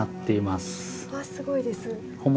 すごいです。